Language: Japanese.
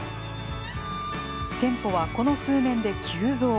店舗はこの数年で急増。